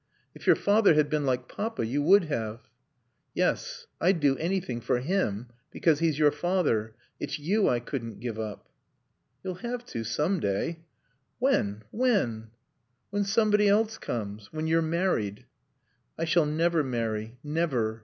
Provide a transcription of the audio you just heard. "If your father had been like Papa you would have." "Yes. I'd do anything for him, because he's your father. It's you I couldn't give up." "You'll have to some day." "When when?" "When somebody else comes. When you're married." "I shall never marry. Never.